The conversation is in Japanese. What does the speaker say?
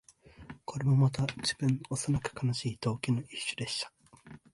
これもまた、自分の幼く悲しい道化の一種でした